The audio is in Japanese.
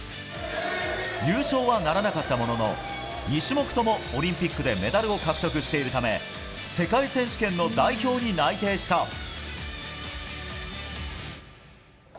優勝はならなかったものの２種目ともオリンピックでメダルを獲得しているため世界選手権の代表に内定した。